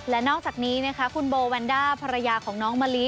และนอกจากนี้นะคะคุณโบแวนด้าภรรยาของน้องมะลิ